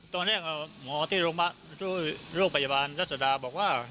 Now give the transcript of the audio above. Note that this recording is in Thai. ตอนแรกอ่ะหมอที่โรงพยาบาลรูปพยาบาลรัศดาบอกว่า